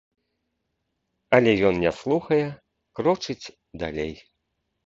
Але ён не слухае, крочыць далей.